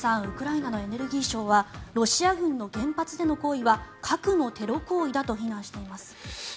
ウクライナのエネルギー省はロシア軍の原発での行為は核のテロ行為だと非難しています。